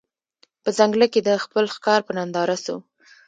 په ځنګله کي د خپل ښکار په ننداره سو